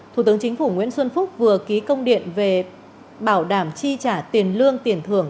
thủ tướng chính phủ nguyễn xuân phúc vừa ký công điện về bảo đảm chi trả tiền lương tiền thưởng